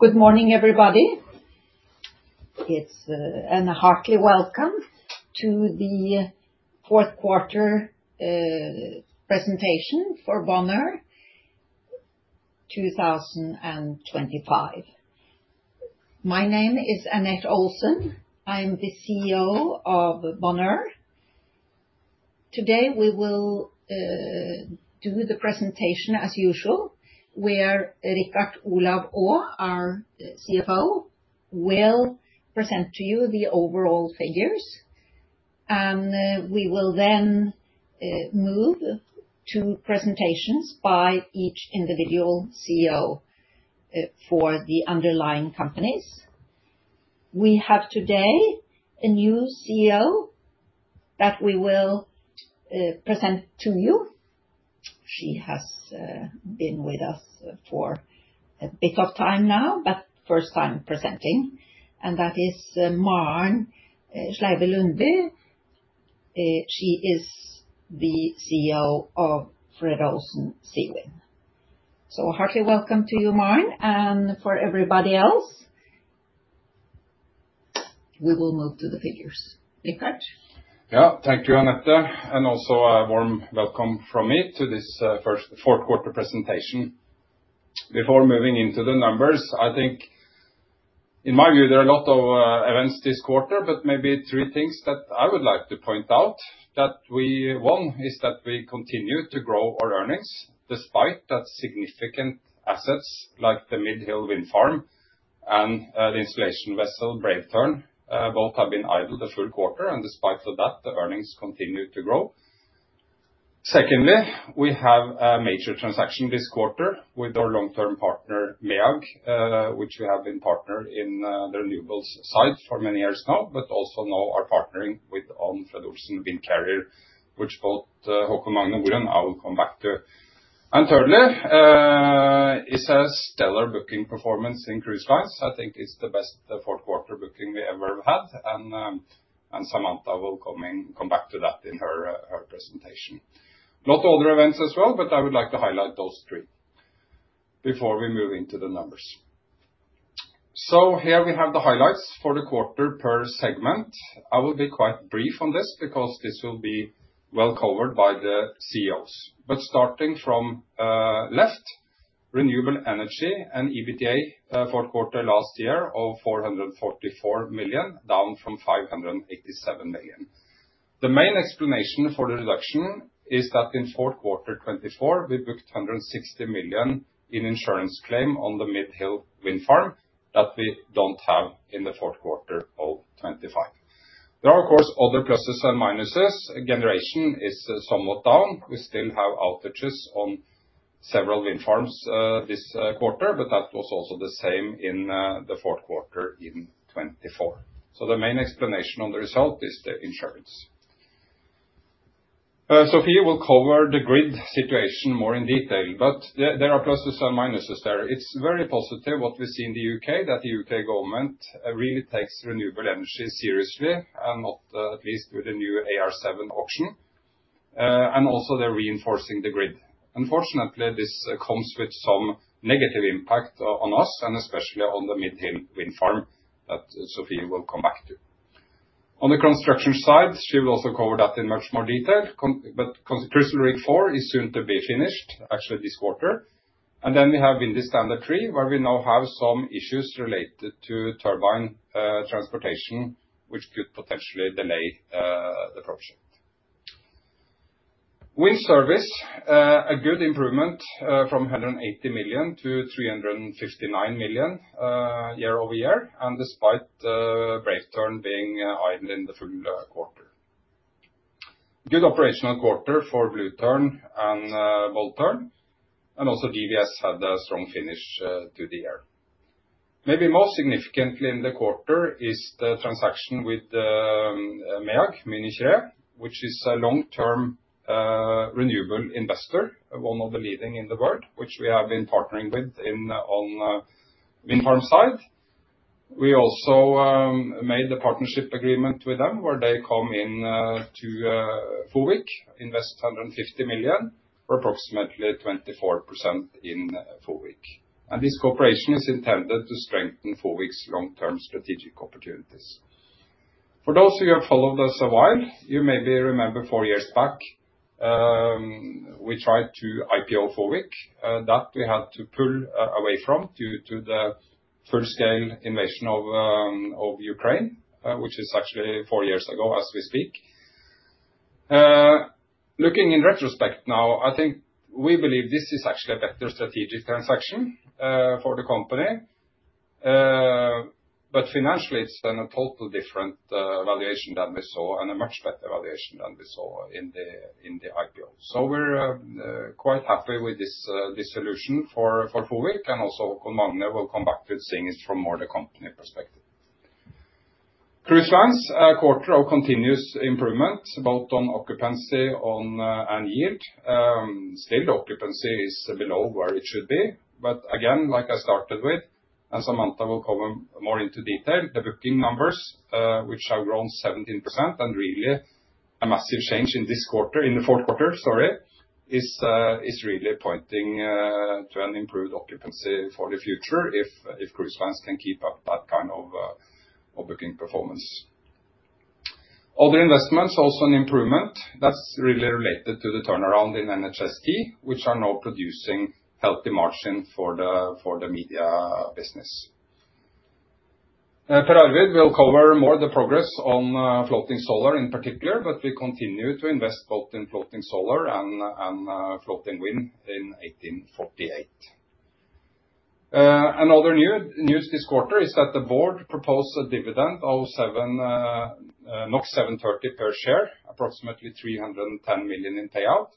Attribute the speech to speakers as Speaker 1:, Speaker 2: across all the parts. Speaker 1: Good morning, everybody. A hearty welcome to the fourth quarter presentation for Bonheur 2025. My name is Anette Olsen. I'm the CEO of Bonheur. Today, we will do the presentation as usual, where Richard Olav Aa, our CFO, will present to you the overall figures. We will then move to presentations by each individual CEO for the underlying companies. We have today a new CEO that we will present to you. She has been with us for a bit of time now, but first time presenting, and that is Maren Sleire Lundby. She is the CEO of Fred. Olsen Seawind. Hearty welcome to you, Maren, and for everybody else. We will move to the figures. Richard.
Speaker 2: Yeah. Thank you, Anette. Also a warm welcome from me to this first fourth quarter presentation. Before moving into the numbers, I think in my view, there are a lot of events this quarter, but maybe three things that I would like to point out. One is that we continue to grow our earnings despite that significant assets like the Mid Hill Wind Farm and the installation vessel, Brave Tern, both have been idled the full quarter, and despite of that, the earnings continued to grow. Secondly, we have a major transaction this quarter with our long-term partner, MEAG, which we have been partnered in the renewables side for many years now, but also now are partnering with on Fred. Olsen Windcarrier, which I will come back to. Thirdly, it's a stellar booking performance in cruise lines. I think it's the best fourth quarter booking we ever had, and Samantha will come back to that in her presentation. A lot of other events as well, but I would like to highlight those three before we move into the numbers. Here we have the highlights for the quarter per segment. I will be quite brief on this because this will be well-covered by the CEOs. Starting from left, renewable energy and EBITDA, fourth quarter last year of 444 million, down from 587 million. The main explanation for the reduction is that in fourth quarter 2024, we booked 160 million in insurance claim on the Mid Hill Wind Farm that we don't have in the fourth quarter of 2025. There are, of course, other pluses and minuses. Generation is somewhat down. We still have outages on several wind farms this quarter, but that was also the same in the fourth quarter in 2024. The main explanation on the result is the insurance. Sofie will cover the grid situation more in detail, but there are pluses and minuses there. It's very positive what we see in the U.K., that the U.K. government really takes renewable energy seriously and not at least with the new AR7 auction. And also they're reinforcing the grid. Unfortunately, this comes with some negative impact on us and especially on the Mid Hill Wind Farm that Sofie will come back to. On the construction side, she will also cover that in much more detail but construction rig 4 is soon to be finished, actually this quarter. We have Windy Standard III, where we now have some issues related to turbine transportation, which could potentially delay the project. Wind Service a good improvement from 180 million to 359 million year-over-year, and despite Brave Tern being idled in the full quarter. Good operational quarter for Blue Tern and Bold Tern, and also GWS had a strong finish to the year. Maybe most significantly in the quarter is the transaction with MEAG Munich Re, which is a long-term renewable investor, one of the leading in the world, which we have been partnering with in on wind farm side. We also made the partnership agreement with them, where they come in to FOWIC, invest 150 million for approximately 24% in FOWIC. This cooperation is intended to strengthen FOWIC's long-term strategic opportunities. For those who have followed us a while, you maybe remember 4 years back, we tried to IPO FOWIC, that we had to pull away from due to the full scale invasion of Ukraine, which is actually 4 years ago as we speak. Looking in retrospect now, I think we believe this is actually a better strategic transaction for the company. But financially, it's been a total different valuation than we saw and a much better valuation than we saw in the IPO. We're quite happy with this solution for FOWIC, and also Haakon Magne will come back to seeing it from more the company perspective. Cruise lines, a quarter of continuous improvement, both on occupancy and yield. Still the occupancy is below where it should be. Again, like I started with, and Samantha will cover more into detail, the booking numbers which have grown 17% and really a massive change in this quarter, in the fourth quarter, sorry, is really pointing to an improved occupancy for the future if cruise lines can keep up that kind of booking performance. Other investments, also an improvement that's really related to the turnaround in NHST, which are now producing healthy margin for the media business. Now, Per Arvid Holth will cover more of the progress on floating solar in particular, but we continue to invest both in floating solar and floating wind in Fred. Olsen 1848. Another news this quarter is that the board proposed a dividend of 7.30 NOK per share, approximately 310 million in payout.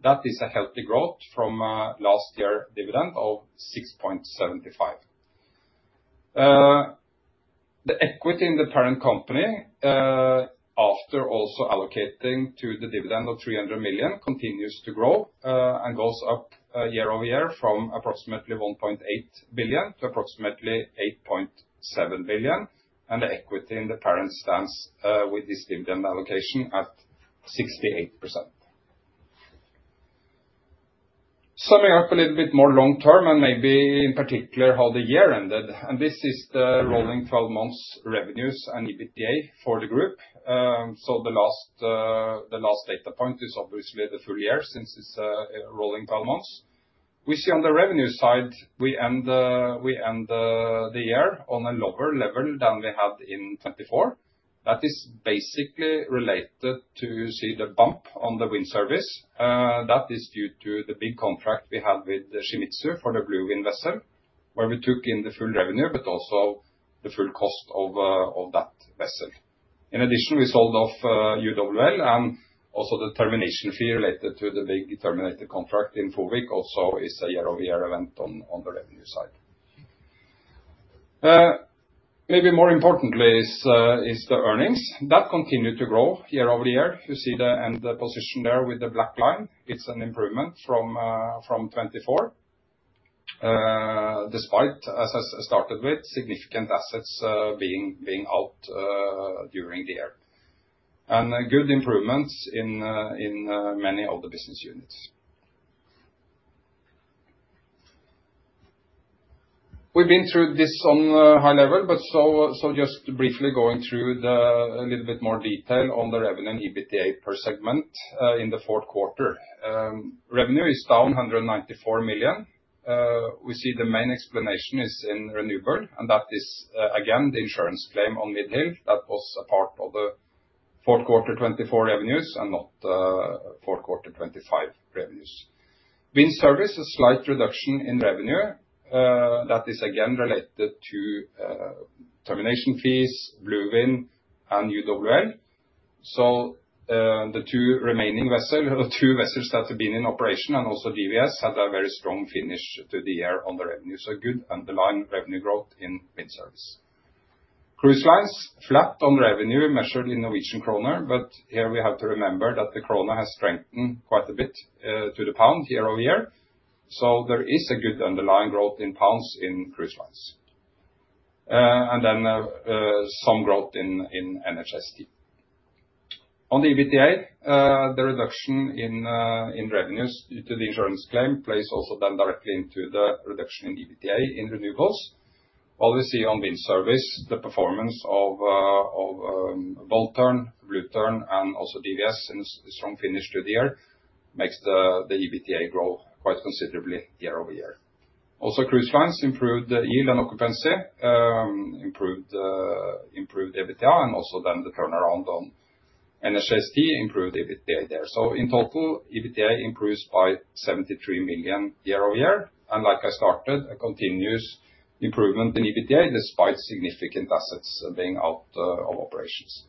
Speaker 2: That is a healthy growth from last year's dividend of 6.75. The equity in the parent company, after also allocating to the dividend of 300 million, continues to grow and goes up year-over-year from approximately 1.8 billion to approximately 8.7 billion. The equity in the parent stands with this dividend allocation at 68%. Summing up a little bit more long-term, and maybe in particular how the year ended, and this is the rolling twelve months revenues and EBITDA for the group. The last data point is obviously the full-year since it's rolling twelve months. We see on the revenue side, we end the year on a lower-level than we had in 2024. That is basically related to, you see the bump on the wind service. That is due to the big contract we have with Shimizu for the Blue Wind vessel, where we took in the full revenue but also the full cost of that vessel. In addition, we sold off UWL and also the termination fee related to the big terminated contract in FOUVIC also is a year-over-year event on the revenue side. Maybe more importantly is the earnings that continued to grow year-over-year. You see the net position there with the black line. It's an improvement from 2024. Despite as I started with, significant assets being out during the year. Good improvements in many of the business units. We've been through this on a high-level, just briefly going through a little bit more detail on the revenue and EBITDA per segment in the fourth quarter. Revenue is down 194 million. We see the main explanation is in Renewables, and that is again the insurance claim on Mid Hill. That was a part of the fourth quarter 2024 revenues and not fourth quarter 2025 revenues. Wind Service, a slight reduction in revenue. That is again related to termination fees, Blue Wind and UWL. The two remaining vessels or the two vessels that have been in operation and also GWS had a very strong finish to the year on the revenues. Good underlying revenue growth in wind service. Cruise lines, flat on revenue measured in Norwegian kroner. Here we have to remember that the krone has strengthened quite a bit to the pound year-over-year. There is a good underlying growth in pounds in cruise lines. Some growth in NHST. On the EBITDA, the reduction in revenues due to the insurance claim plays also then directly into the reduction in EBITDA in renewables. While we see on wind service, the performance of Bold Tern, Blue Tern, and also DVS in a strong finish to the year makes the EBITDA grow quite considerably year-over-year. Also, Cruise Lines improved yield and occupancy, improved EBITDA and also then the turnaround on NHST improved EBITDA there. In total, EBITDA increased by 73 million year-over-year. Like I started, a continuous improvement in EBITDA despite significant assets being out of operations.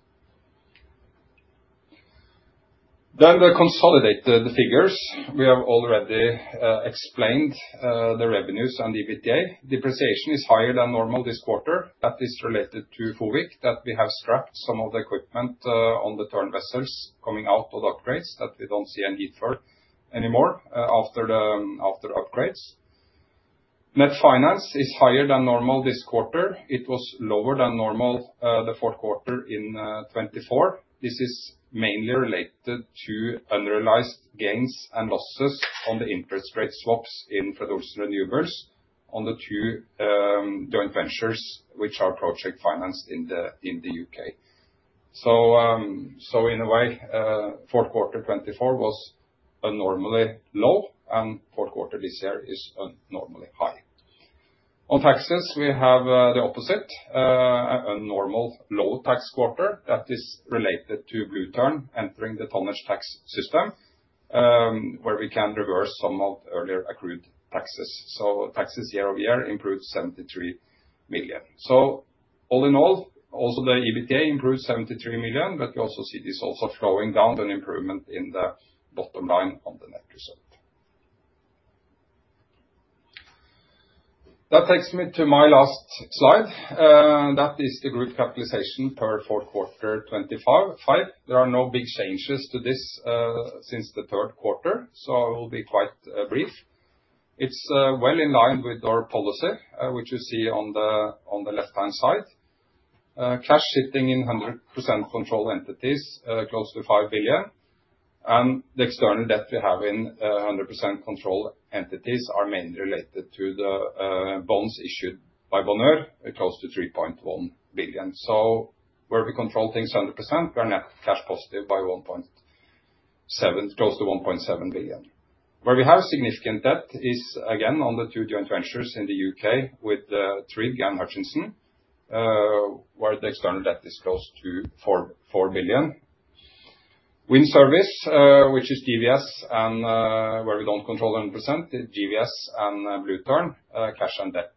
Speaker 2: The consolidated figures. We have already explained the revenues and EBITDA. Depreciation is higher than normal this quarter. That is related to Fred. Olsen Windcarrier, that we have scrapped some of the equipment on the Tern vessels coming out of upgrades that we don't see any deferred anymore after the upgrades. Net finance is higher than normal this quarter. It was lower than normal, the fourth quarter in 2024. This is mainly related to unrealized gains and losses on the interest rate swaps in Fred. Olsen Renewables on the two joint ventures which are project financed in the UK. In a way, fourth quarter 2024 was abnormally low and fourth quarter this year is abnormally high. On taxes, we have the opposite, a normal low tax quarter that is related to Blue Tern entering the tonnage tax system, where we can reverse some of earlier accrued taxes. Taxes year-over-year improved 73 million. All in all, also the EBITDA improved 73 million, but you also see this also flowing down an improvement in the bottom-line on the net result. That takes me to my last slide. That is the group capitalization per fourth quarter 2025. There are no big changes to this since the Q3, so I will be quite brief. It's well in line with our policy, which you see on the left-hand side. Cash sitting in 100% controlled entities close to 5 billion. The external debt we have in 100% controlled entities are mainly related to the bonds issued by Bonheur close to 3.1 billion. Where we control things 100%, we're net cash positive by 1.7, close to 1.7 billion. Where we have significant debt is again on the two joint ventures in the U.K. with CK Hutchison, where the external debt is close to 4.4 billion. Wind service, which is GWS and where we don't control 100%. GWS and Blue Tern, cash and debt,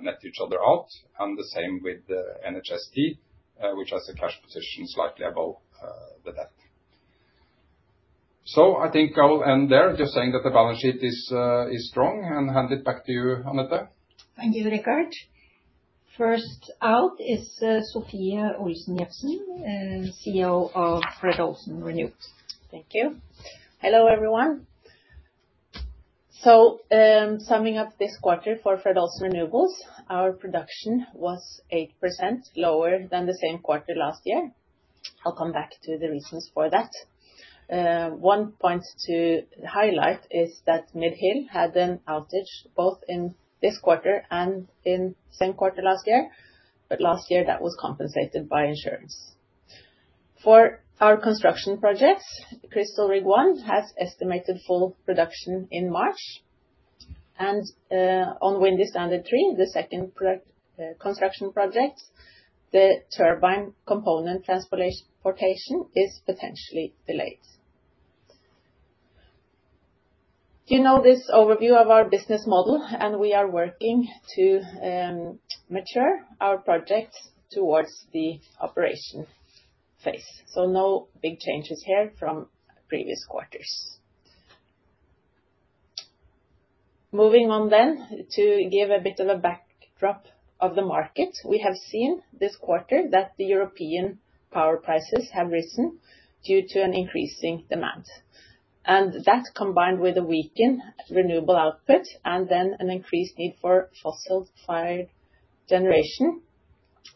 Speaker 2: net each other out. The same with the NHST, which has a cash position slightly above the debt. I think I'll end there just saying that the balance sheet is strong, and hand it back to you, Annette.
Speaker 1: Thank you, Richard. First out is Sofie Olsen Jebsen, CEO of Fred. Olsen Renewables.
Speaker 3: Thank you. Hello, everyone. Summing up this quarter for Fred. Olsen Renewables, our production was 8% lower than the same quarter last year. I'll come back to the reasons for that. One point to highlight is that Mid Hill had an outage both in this quarter and in the same quarter last year, but last year that was compensated by insurance. For our construction projects, Crystal Rig One has estimated full production in March. On Windy Standard III, the second production construction project, the turbine component transportation is potentially delayed. You know this overview of our business model, and we are working to mature our projects towards the operation phase. No big changes here from previous quarters. Moving on, to give a bit of a backdrop of the market. We have seen this quarter that the European power prices have risen due to an increasing demand. That, combined with a weakened renewable output and then an increased need for fossil-fired generation,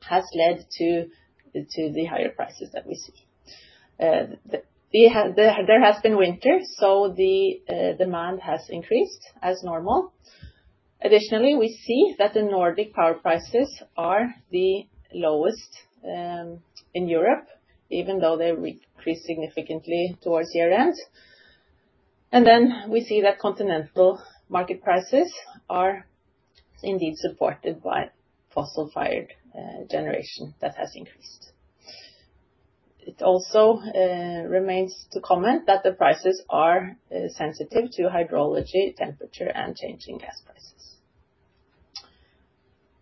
Speaker 3: has led to the higher prices that we see. There has been winter, so the demand has increased as normal. Additionally, we see that the Nordic power prices are the lowest in Europe, even though they increased significantly towards year-end. We see that continental market prices are indeed supported by fossil-fired generation that has increased. It also remains to comment that the prices are sensitive to hydrology, temperature, and changing gas prices.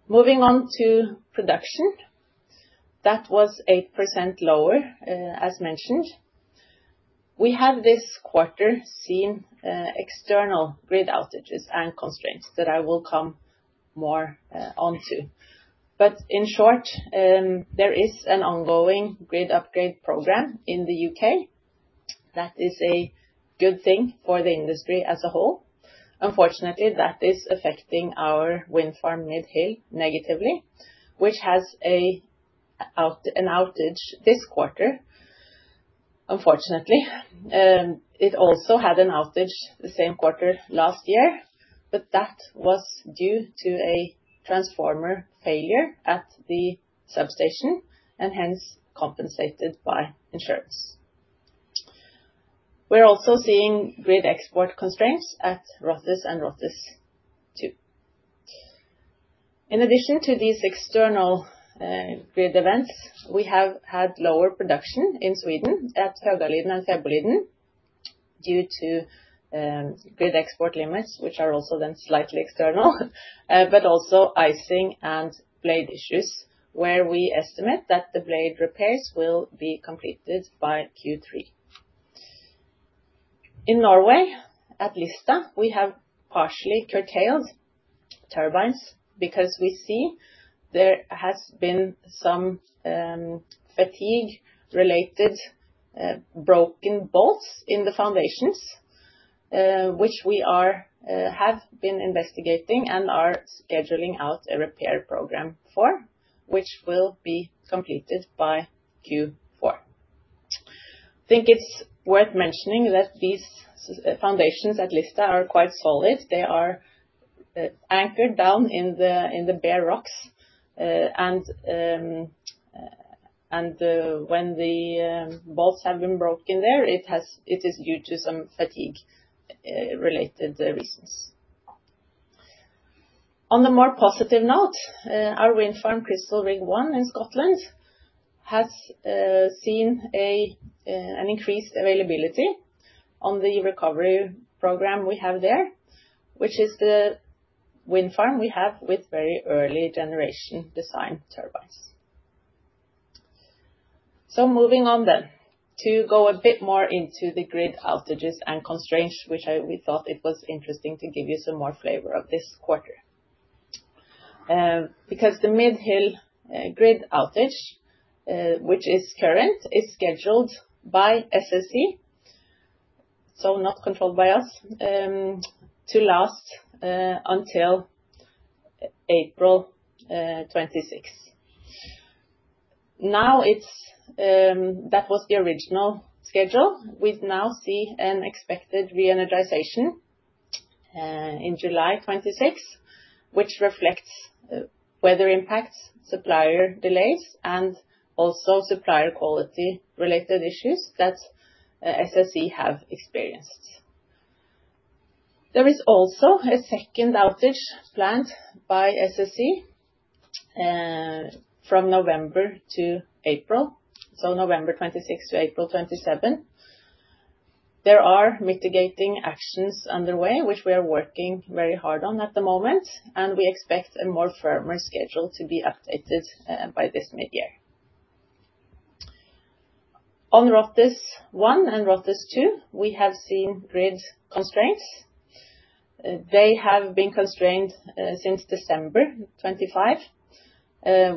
Speaker 3: Moving on to production. That was 8% lower, as mentioned. We have this quarter seen external grid outages and constraints that I will come more on to. In short, there is an ongoing grid upgrade program in the U.K. that is a good thing for the industry as a whole. Unfortunately, that is affecting our wind farm Mid Hill negatively, which has an outage this quarter. Unfortunately, it also had an outage the same quarter last year, but that was due to a transformer failure at the substation and hence compensated by insurance. We're also seeing grid export constraints at Rothes and Rothes II. In addition to these external grid events, we have had lower production in Sweden at Frögliden and Säbbliden due to grid export limits, which are also then slightly external, but also icing and blade issues where we estimate that the blade repairs will be completed by Q3. In Norway, at Lista, we have partially curtailed turbines because we see there has been some fatigue-related broken bolts in the foundations, which we have been investigating and are scheduling out a repair program for, which will be completed by Q4. I think it's worth mentioning that these suction foundations at Lista are quite solid. They are anchored down in the bare rocks. When the bolts have been broken there, it is due to some fatigue-related reasons. On a more positive note, our wind farm, Crystal Rig One in Scotland, has seen an increased availability on the recovery program we have there, which is the wind farm we have with very early generation design turbines. Moving on to go a bit more into the grid outages and constraints, which we thought it was interesting to give you some more flavor of this quarter. Because the Mid Hill grid outage, which is current, is scheduled by SSE, so not controlled by us, to last until April 26. That was the original schedule. We now see an expected re-energization in July 26, which reflects weather impacts, supplier delays, and also supplier quality-related issues that SSE have experienced. There is also a second outage planned by SSE from November to April, so November 26 to April 27. There are mitigating actions underway, which we are working very hard on at the moment, and we expect a more firmer schedule to be updated by this mid-year. On Rothes 1 and Rothes II, we have seen grid constraints. They have been constrained since December 2025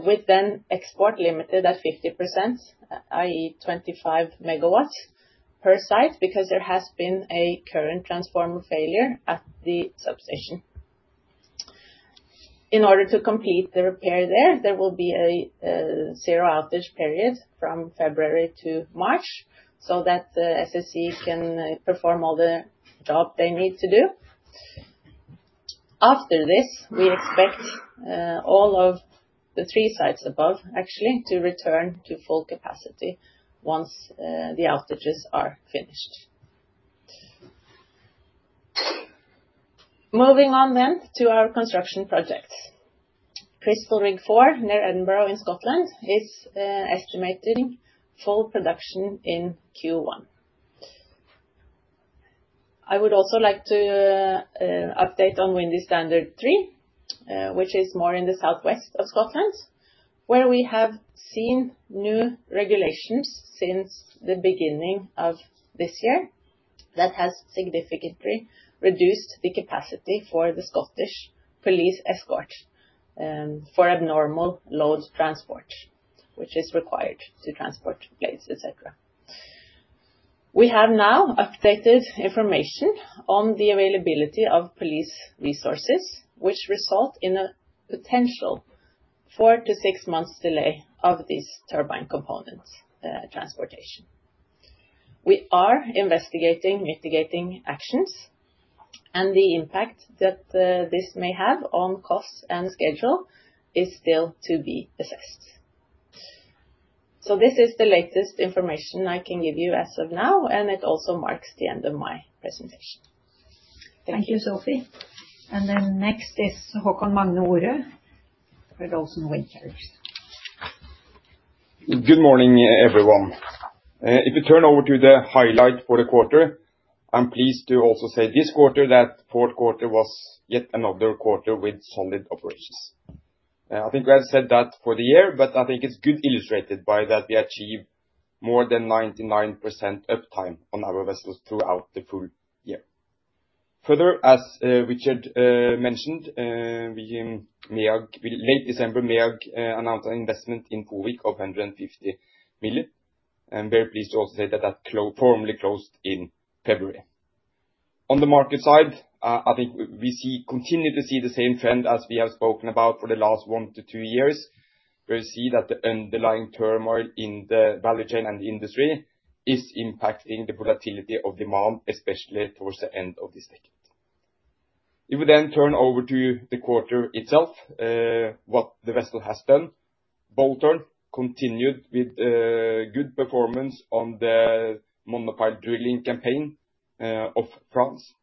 Speaker 3: with the export limited at 50%, i.e. 25 MW per site, because there has been a current transformer failure at the substation. In order to complete the repair there will be a zero outage period from February to March so that the SSE can perform all the job they need to do. After this, we expect all of the three sites above actually to return to full capacity once the outages are finished. Moving on to our construction projects. Crystal Rig IV, near Edinburgh in Scotland, is estimating full production in Q1. I would also like to update on Windy Standard III, which is more in the southwest of Scotland, where we have seen new regulations since the beginning of this year that has significantly reduced the capacity for the Scottish police escort, for abnormal loads transport, which is required to transport blades, et cetera. We have now updated information on the availability of police resources which result in a potential 4-6 months delay of these turbine components, transportation. We are investigating mitigating actions and the impact that this may have on costs and schedule is still to be assessed. This is the latest information I can give you as of now, and it also marks the end of my presentation. Thank you.
Speaker 1: Thank you, Sofie. Next is Haakon Magne Ore for Fred. Olsen Windcarrier.
Speaker 4: Good morning everyone. If you turn over to the highlight for the quarter, I'm pleased to also say this quarter that fourth quarter was yet another quarter with solid operations. I think I said that for the year, but I think it's good illustrated by that we achieved more than 99% uptime on our vessels throughout the full-year. Further, as Richard mentioned, in late December MEAG announced an investment in Fred. Olsen of 150 million. I'm very pleased to also say that that formally closed in February. On the market side, I think we continue to see the same trend as we have spoken about for the last 1-2 years. We see that the underlying turmoil in the value chain and the industry is impacting the volatility of demand, especially towards the end of this decade. If we then turn over to the quarter itself, what the vessel has done. Bold Tern continued with good performance on the monopile drilling campaign off France.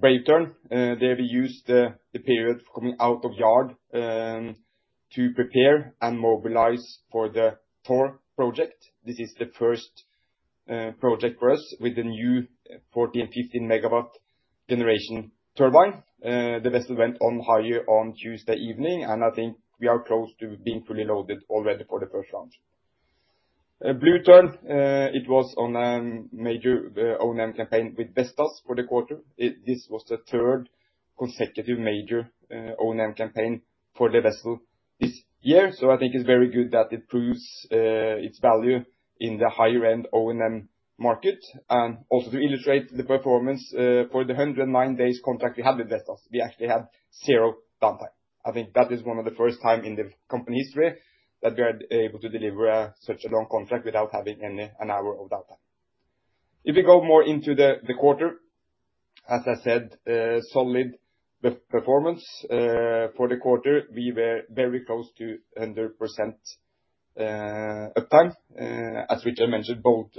Speaker 4: Brave Tern, they've used the period coming out of yard to prepare and mobilize for the Thor project. This is the first project for us with the new 14-15 MW generation turbine. The vessel went on hire on Tuesday evening, and I think we are close to being fully loaded already for the first launch. Blue Tern, it was on a major O&M campaign with Vestas for the quarter. This was the third consecutive major O&M campaign for the vessel this year. I think it's very good that it proves its value in the higher-end O&M market. To illustrate the performance, for the 109 days contract we have with Vestas, we actually had 0 downtime. I think that is one of the first time in the company history that we are able to deliver such a long contract without having an hour of downtime. If we go more into the quarter, as I said, solid with performance for the quarter, we were very close to 100% uptime. As Richard mentioned, Bold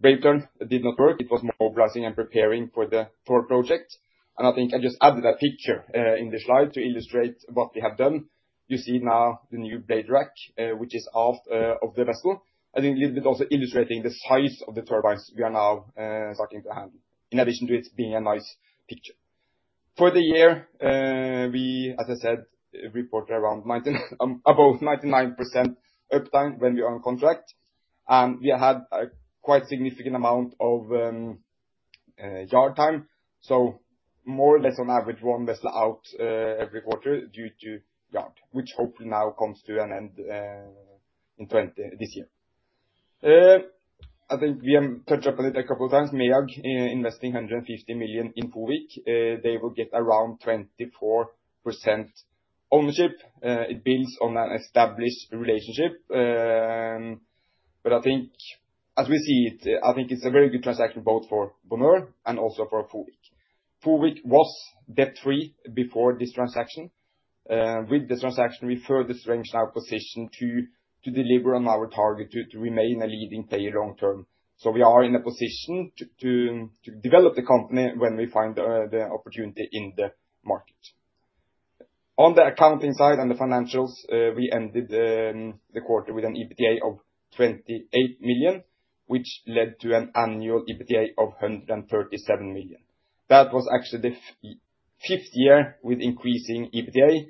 Speaker 4: Tern did not work. It was mobilizing and preparing for the Thor project. I think I just added a picture in the slide to illustrate what we have done. You see now the new blade rack, which is aft, of the vessel. I think a little bit also illustrating the size of the turbines we are now, starting to handle, in addition to it being a nice picture. For the year, we, as I said, reported above 99% uptime when we are on contract. We had a quite significant amount of yard time. More or less on average, one vessel out, every quarter due to yard, which hopefully now comes to an end, this year. I think we have touched upon it a couple of times. MEAG investing 150 million in Fred. Olsen Windcarrier, they will get around 24% ownership. It builds on an established relationship. I think as we see it, I think it's a very good transaction both for Bonheur and also for Fred. Olsen Windcarrier. Fred. Olsen Windcarrier was debt-free before this transaction. With this transaction, we further strengthened our position to deliver on our target to remain a leading player long-term. We are in a position to develop the company when we find the opportunity in the market. On the accounting side and the financials, we ended the quarter with an EBITDA of 28 million, which led to an annual EBITDA of 137 million. That was actually the fifth year with increasing EBITDA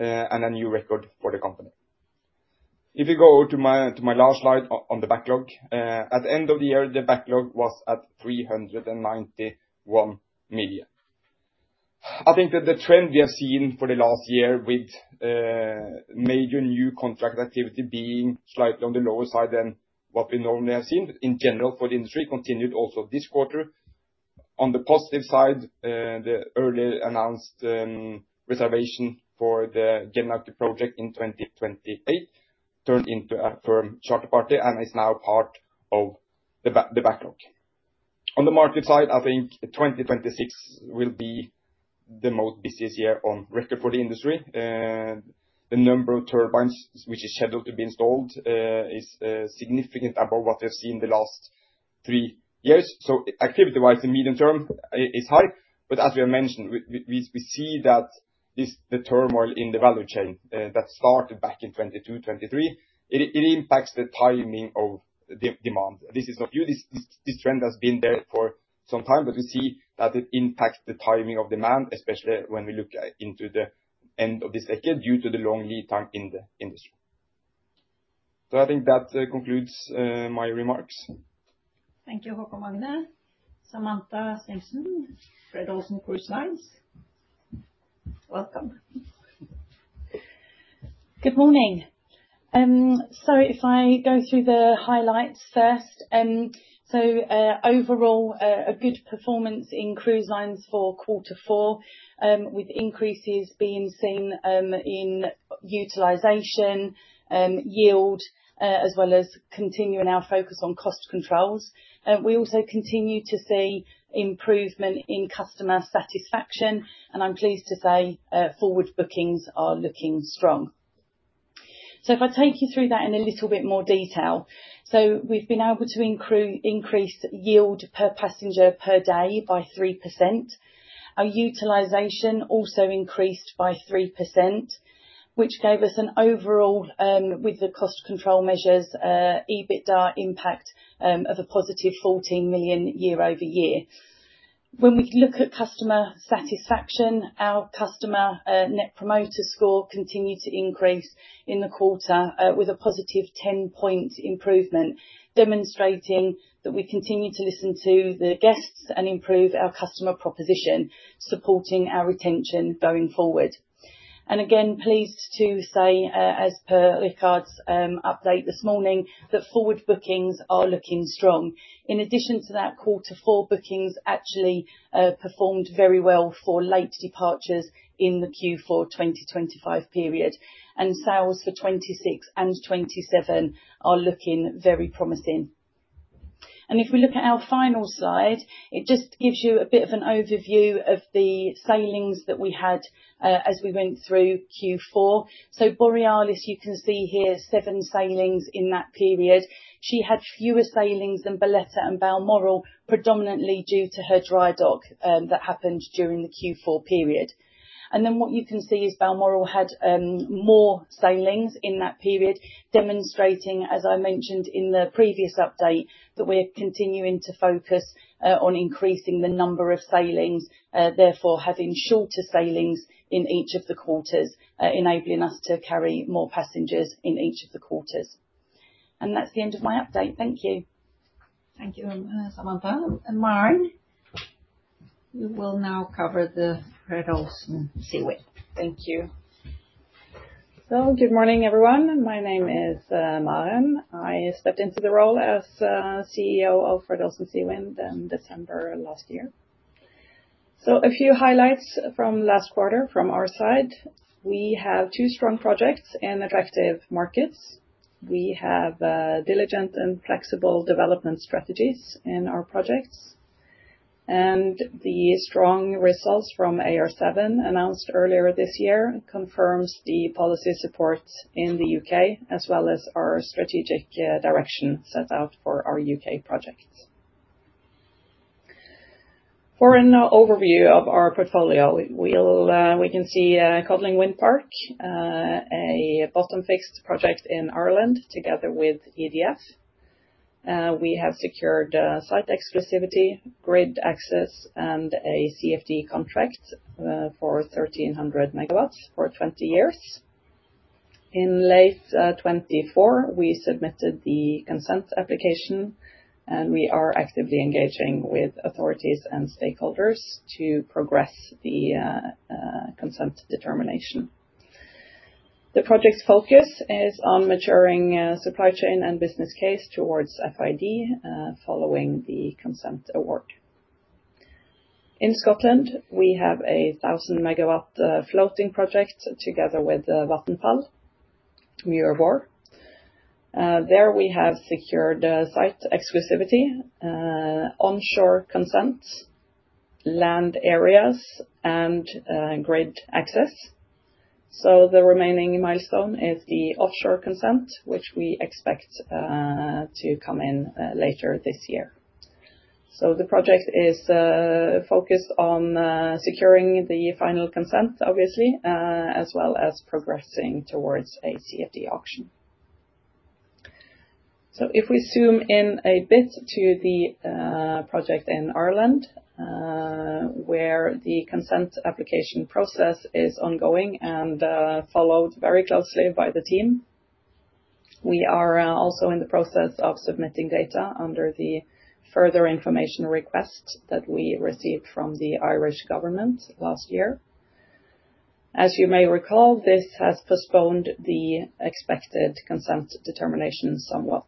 Speaker 4: and a new record for the company. If you go to my last slide on the backlog. At the end of the year, the backlog was at 391 million. I think that the trend we have seen for the last year with major new contract activity being slightly on the lower side than what we normally have seen in general for the industry continued also this quarter. On the positive side, the early announced reservation for the Gemini project in 2028 turned into a firm charter party and is now part of the backlog. On the market side, I think 2026 will be the most busiest year on record for the industry. The number of turbines which is scheduled to be installed is significantly above what we have seen the last three years. Activity-wise, the medium term is high. As we have mentioned, we see that this, the turmoil in the value chain, that started back in 2022, 2023, it impacts the timing of demand. This is not new. This trend has been there for some time, but we see that it impacts the timing of demand, especially when we look into the end of this decade, due to the long lead time in the industry. I think that concludes my remarks.
Speaker 1: Thank you, Haakon Magne. Samantha Stimpson, Fred. Olsen Cruise Lines. Welcome.
Speaker 5: Good morning. If I go through the highlights first. Overall, a good performance in Cruise Lines for quarter four, with increases being seen in utilization, yield, as well as continuing our focus on cost controls. We also continue to see improvement in customer satisfaction, and I'm pleased to say forward bookings are looking strong. If I take you through that in a little bit more detail. We've been able to increase yield per passenger per day by 3%. Our utilization also increased by 3%, which gave us an overall, with the cost control measures, EBITDA impact of a positive 14 million year-over-year. When we look at customer satisfaction, our customer Net Promoter Score continued to increase in the quarter with a positive 10-point improvement, demonstrating that we continue to listen to the guests and improve our customer proposition, supporting our retention going forward. Again, pleased to say as per Richard's update this morning, that forward bookings are looking strong. In addition to that, quarter four bookings actually performed very well for late departures in the Q4 2025 period, and sales for 2026 and 2027 are looking very promising. If we look at our final slide, it just gives you a bit of an overview of the sailings that we had as we went through Q4. Borealis, you can see here seven sailings in that period. She had fewer sailings than Bolette and Balmoral, predominantly due to her dry dock that happened during the Q4 period. Then what you can see is Balmoral had more sailings in that period, demonstrating, as I mentioned in the previous update, that we're continuing to focus on increasing the number of sailings, therefore having shorter sailings in each of the quarters, enabling us to carry more passengers in each of the quarters. That's the end of my update. Thank you.
Speaker 1: Thank you, Samantha. Maren, you will now cover the Fred. Olsen Seawind. Thank you.
Speaker 6: Good morning, everyone. My name is Maren. I stepped into the role as CEO of Fred. Olsen Seawind in December last year. A few highlights from last quarter from our side. We have two strong projects in attractive markets. We have diligent and flexible development strategies in our projects. The strong results from AR7 announced earlier this year confirms the policy support in the U.K., as well as our strategic direction set out for our U.K. projects. For an overview of our portfolio, we can see Codling Wind Park, a bottom-fixed project in Ireland together with EDF. We have secured site exclusivity, grid access, and a CFD contract for 1,300 MW for twenty years. In late 2024, we submitted the consent application, and we are actively engaging with authorities and stakeholders to progress the consent determination. The project's focus is on maturing supply chain and business case towards FID following the consent award. In Scotland, we have a 1,000 MW floating project together with Vattenfall, Muir Mhòr. There we have secured site exclusivity, onshore consent, land areas, and grid access. The remaining milestone is the offshore consent, which we expect to come in later this year. The project is focused on securing the final consent, obviously, as well as progressing towards a CFD auction. If we zoom in a bit to the project in Ireland, where the consent application process is ongoing and followed very closely by the team. We are also in the process of submitting data under the further information request that we received from the Irish government last year. As you may recall, this has postponed the expected consent determination somewhat.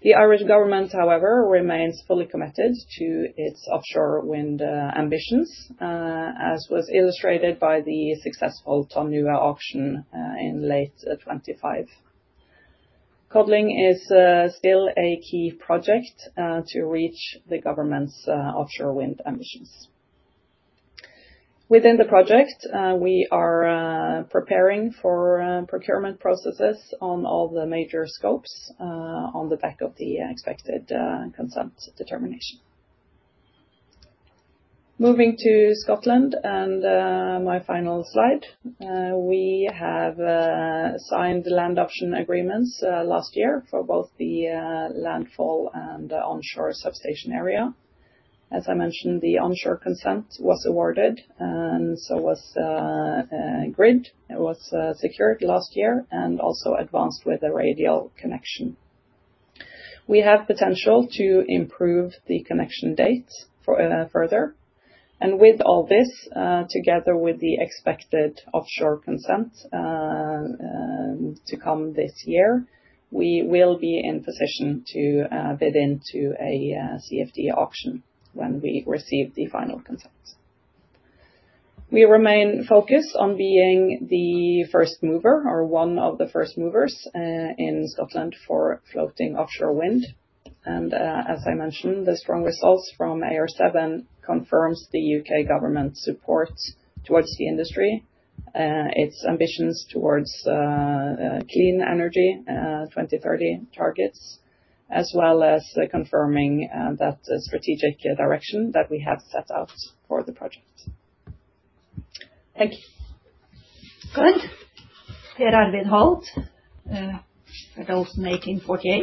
Speaker 6: The Irish government, however, remains fully committed to its offshore wind ambitions, as was illustrated by the successful Tonn Nua auction in late 2025. Codling is still a key project to reach the government's offshore wind ambitions. Within the project, we are preparing for procurement processes on all the major scopes on the back of the expected consent determination. Moving to Scotland, and my final slide. We have signed land auction agreements last year for both the landfall and onshore substation area. As I mentioned, the onshore consent was awarded, and so was grid. It was secured last year and also advanced with a radial connection. We have potential to improve the connection date for further. With all this, together with the expected offshore consent to come this year, we will be in position to bid into a CFD auction when we receive the final consent. We remain focused on being the first mover or one of the first movers in Scotland for floating offshore wind. As I mentioned, the strong results from AR7 confirms the U.K. government support towards the industry, its ambitions towards clean energy, 2030 targets, as well as confirming that strategic direction that we have set out for the project.
Speaker 1: Thank you. Good. Per Arvid Holth at 1848.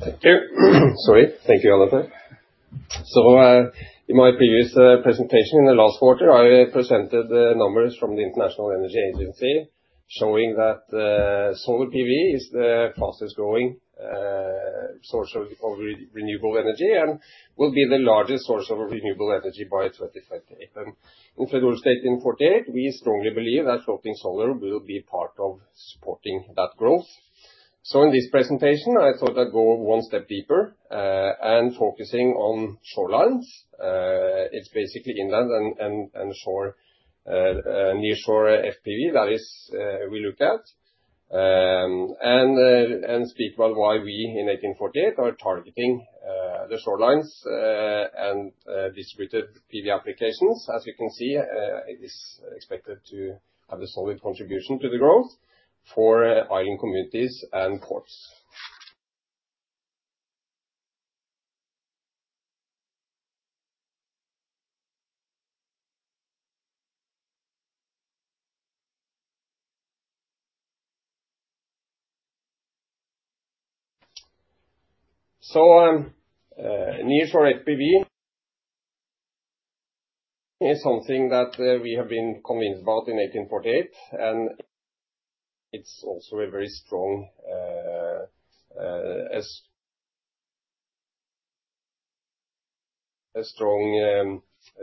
Speaker 7: Thank you. Sorry. Thank you, Anette. In my previous presentation in the last quarter, I presented the numbers from the International Energy Agency showing that solar PV is the fastest growing source of renewable energy and will be the largest source of renewable energy by 2058. In Fred. Olsen 1848, we strongly believe that floating solar will be part of supporting that growth. In this presentation, I thought I'd go one step deeper and focusing on shorelines. It's basically inland, onshore, and nearshore FPV that we look at and speak about why we in eighteen forty-eight are targeting the shorelines and distributed PV applications. As you can see, it is expected to have a solid contribution to the growth for island communities and ports. Nearshore FPV is something that we have been convinced about in 1848, and it's also a very strong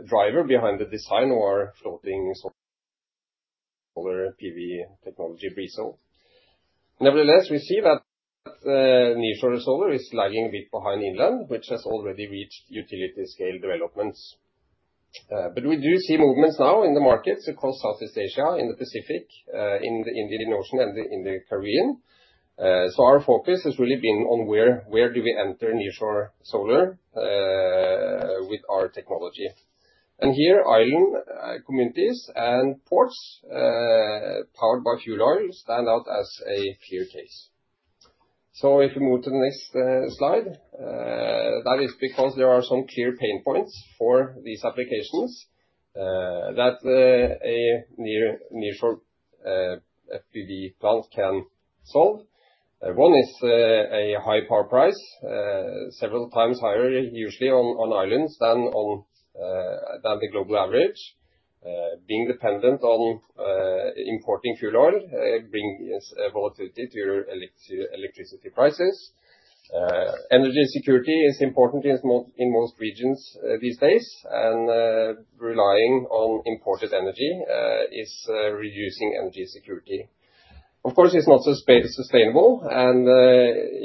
Speaker 7: driver behind the design of our floating solar PV technology BRIZO. Nevertheless, we see that nearshore solar is lagging a bit behind inland, which has already reached utility scale developments. We do see movements now in the markets across Southeast Asia, in the Pacific, in the Indian Ocean and in the Caribbean. Our focus has really been on where do we enter nearshore solar with our technology. Here, island communities and ports powered by fuel oil stand out as a clear case. If you move to the next slide, that is because there are some clear pain points for these applications that a nearshore FPV plant can solve. One is a high power price several times higher usually on islands than on the global average. Being dependent on importing fuel oil brings volatility to your electricity prices. Energy security is important in most regions these days. Relying on imported energy is reducing energy security. Of course, it's not sustainable and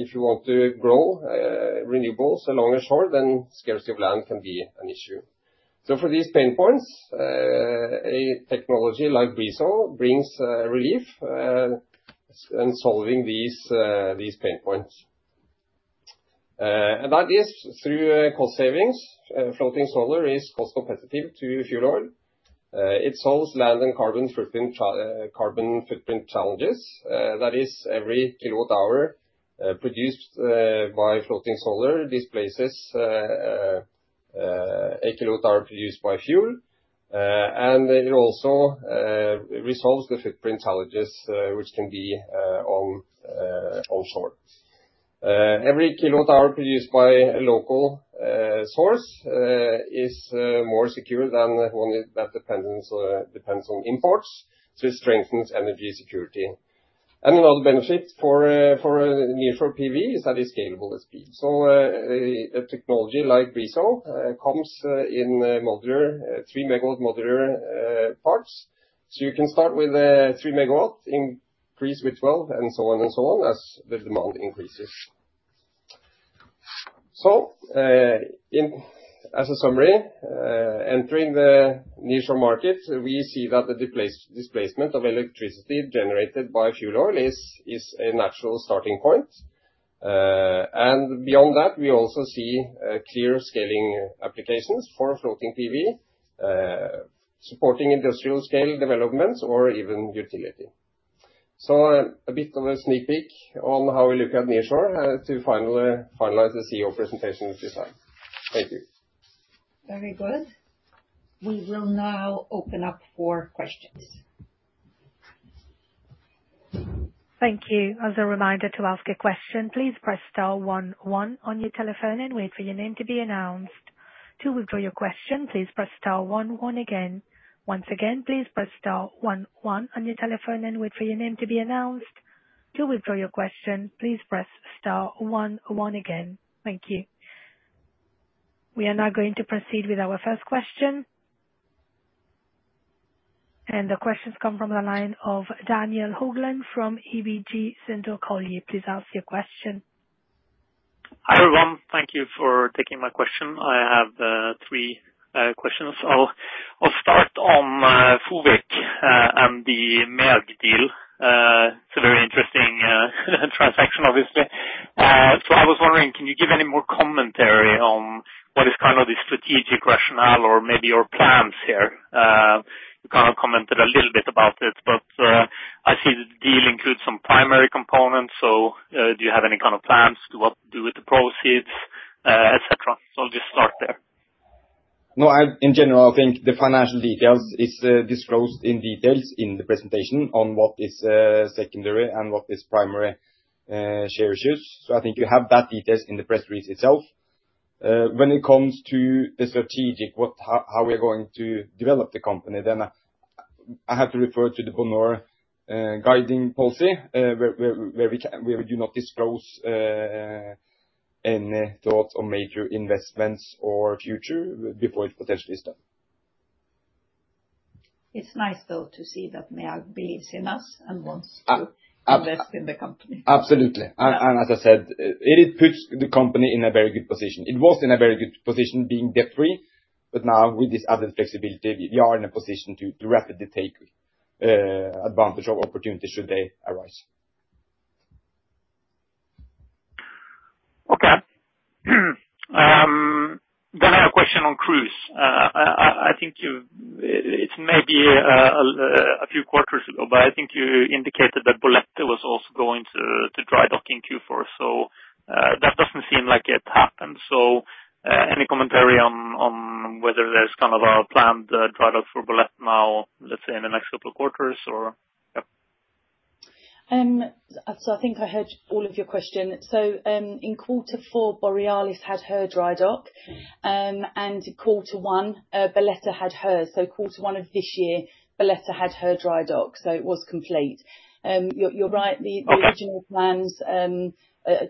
Speaker 7: if you want to grow renewables along the shore, scarcity of land can be an issue. For these pain points, a technology like BRIZO brings relief in solving these pain points. That is through cost savings. Floating solar is cost competitive to fuel oil. It solves land and carbon footprint challenges, that is every kWh produced by floating solar displaces a kWh produced by fuel. It also resolves the footprint challenges, which can be onshore. Every kWh produced by a local source is more secure than one that depends on imports to strengthen energy security. Another benefit for nearshore PV is that it's scalable speed. A technology like BRIZO comes in modular 3 MW parts. You can start with a 3 MW increase with 12 and so on as the demand increases. In... As a summary, entering the nearshore market, we see that the displacement of electricity generated by fuel oil is a natural starting point. Beyond that, we also see clear scaling applications for floating PV, supporting industrial scale developments or even utility. A bit of a sneak peek on how we look at nearshore, to finally finalize the CEO presentation this time. Thank you.
Speaker 1: Very good. We will now open up for questions.
Speaker 8: We are now going to proceed with our first question. The questions come from the line of Daniel Vårdal Haugland from ABG Sundal Collier. Please ask your question.
Speaker 9: Hi, everyone. Thank you for taking my question. I have 3 questions. I'll start on FOWC and the MEAG deal. It's a very interesting transaction, obviously. I was wondering, can you give any more commentary on what is kind of the strategic rationale or maybe your plans here? You kind of commented a little bit about it, but I see the deal includes some primary components. Do you have any kind of plans to what do with the proceeds, etc.? I'll just start there.
Speaker 4: No. In general, I think the financial details is disclosed in details in the presentation on what is secondary and what is primary share issues. I think you have that details in the press release itself. When it comes to the strategic, how we're going to develop the company, then I have to refer to the Bonheur guiding policy, where we do not disclose any thoughts on major investments or future before it potentially is done.
Speaker 1: It's nice, though, to see that MEAG believes in us and wants to.
Speaker 4: Ab- ab- Invest in the company. Absolutely. Yeah. as I said, it puts the company in a very good position. It was in a very good position being debt free, but now with this added flexibility, we are in a position to rapidly take advantage of opportunities should they arise.
Speaker 9: Okay. I have a question on cruise. I think you indicated a few quarters ago that Bolette was also going to dry dock in Q4. That doesn't seem like it happened. Any commentary on whether there's kind of a planned dry dock for Bolette now, let's say in the next couple quarters or? Yep.
Speaker 5: I think I heard all of your question. In quarter four, Borealis had her dry dock. Quarter one, Bolette had hers. Quarter one of this year, Bolette had her dry dock, so it was complete. You're right. The-
Speaker 9: Okay.
Speaker 5: The original plans,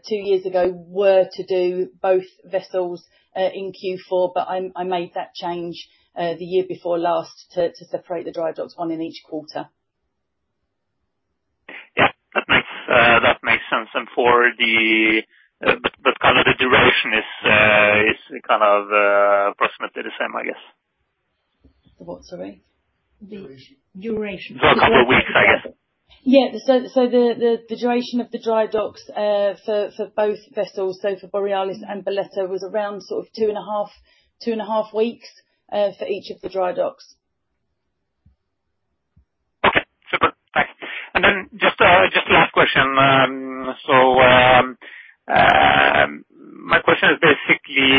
Speaker 5: two years ago, were to do both vessels in Q4, but I made that change the year before last to separate the dry docks, one in each quarter.
Speaker 9: Yeah, that makes sense. But kind of the duration is kind of approximately the same, I guess.
Speaker 5: The what, sorry?
Speaker 1: The duration.
Speaker 9: For a couple of weeks, I guess.
Speaker 5: The duration of the dry docks for both vessels, for Borealis and Bolette, was around sort of 2.5 weeks for each of the dry docks.
Speaker 9: Okay, super. Thanks. Just last question. My question is basically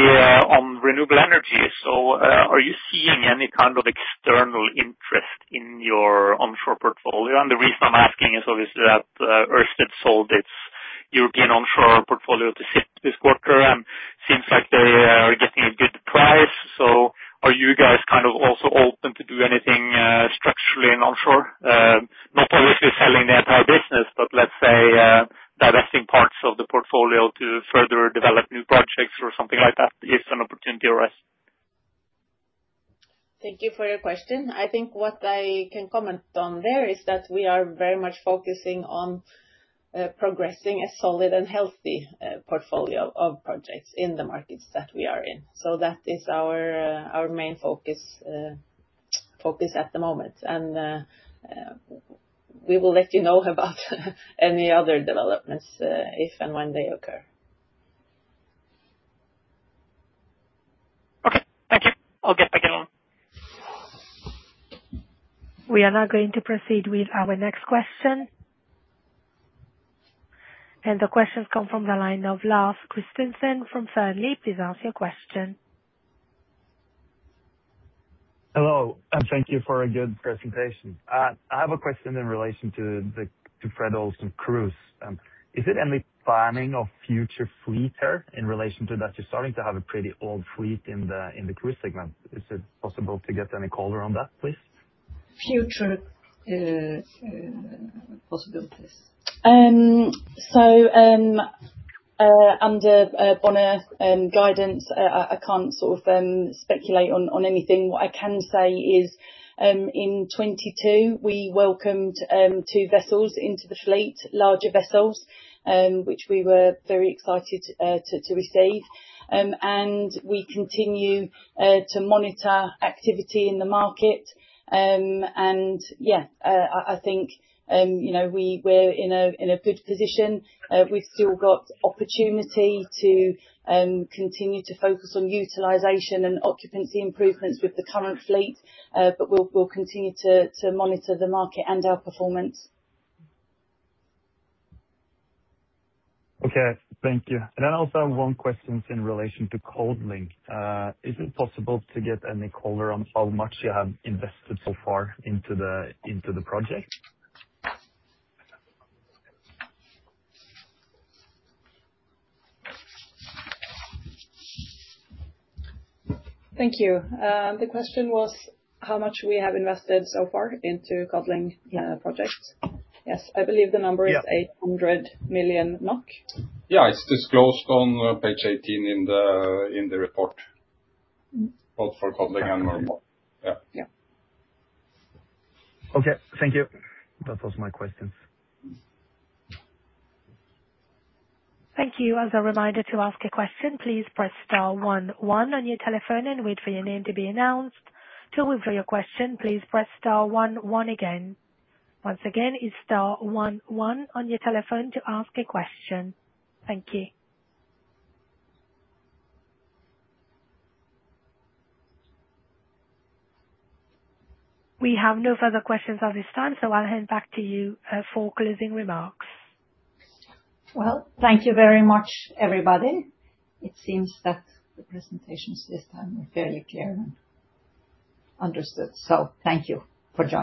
Speaker 9: on renewable energy. Are you seeing any kind of external interest in your onshore portfolio? The reason I'm asking is obviously that Ørsted sold its European onshore portfolio to CIP this quarter, and it seems like they are getting a good price. Are you guys kind of also open to do anything structurally in offshore? Not obviously selling the entire business, but let's say, divesting parts of the portfolio to further develop new projects or something like that if an opportunity arises.
Speaker 3: Thank you for your question. I think what I can comment on there is that we are very much focusing on progressing a solid and healthy portfolio of projects in the markets that we are in. That is our main focus at the moment. We will let you know about any other developments, if and when they occur.
Speaker 9: Okay. Thank you. I'll get back alone.
Speaker 8: We are now going to proceed with our next question. The question come from the line of Lars Christensen from Fearnley Securities. Please ask your question.
Speaker 10: Hello, thank you for a good presentation. I have a question in relation to Fred. Olsen Cruise. Is there any planning of future fleet in relation to that? You're starting to have a pretty old fleet in the cruise segment. Is it possible to get any color on that, please?
Speaker 3: Future, possibilities.
Speaker 5: Under Bonheur's guidance, I can't sort of speculate on anything. What I can say is, in 2022, we welcomed two vessels into the fleet, larger vessels, which we were very excited to receive. We continue to monitor activity in the market. Yeah. I think, you know, we're in a good position. We've still got opportunity to continue to focus on utilization and occupancy improvements with the current fleet. We'll continue to monitor the market and our performance.
Speaker 10: Okay. Thank you. I also have one question in relation to Codling. Is it possible to get any color on how much you have invested so far into the project?
Speaker 3: Thank you. The question was how much we have invested so far into Codling projects. Yes, I believe the number-
Speaker 10: Yeah.
Speaker 3: is 800 million NOK.
Speaker 2: Yeah. It's disclosed on page 18 in the report.
Speaker 3: Mm-hmm.
Speaker 2: Both for Codling and Remot. Yeah.
Speaker 3: Yeah.
Speaker 10: Okay. Thank you. That was my questions.
Speaker 8: Thank you. As a reminder, to ask a question, please press star one one on your telephone and wait for your name to be announced. To withdraw your question, please press star one one again. Once again, it's star one one on your telephone to ask a question. Thank you. We have no further questions at this time, so I'll hand back to you for closing remarks.
Speaker 1: Well, thank you very much, everybody. It seems that the presentations this time were fairly clear and understood. Thank you for joining.